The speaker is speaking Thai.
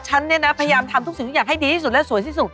ฉันเนี่ยนะพยายามทำทุกสิ่งทุกอย่างให้ดีที่สุดและสวยที่สุด